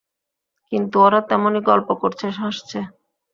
কিন্তু ওরা তেমনি গল্প করছে, হাসছে।